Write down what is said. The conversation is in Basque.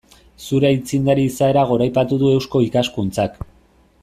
Zure aitzindari izaera goraipatu du Eusko Ikaskuntzak.